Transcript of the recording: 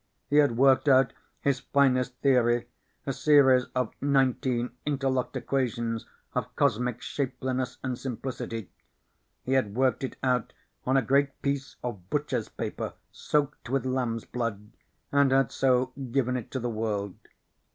He had worked out his finest theory, a series of nineteen interlocked equations of cosmic shapeliness and simplicity. He had worked it out on a great piece of butchers' paper soaked with lamb's blood, and had so given it to the world.